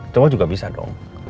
cuma juga bisa dong